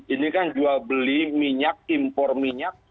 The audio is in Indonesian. ini kan jual beli minyak impor minyak